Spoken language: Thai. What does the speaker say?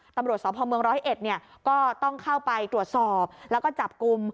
ตำรวจสพเมืองร้อยเอ็ดเนี่ยก็ต้องเข้าไปตรวจสอบแล้วก็จับกลุ่ม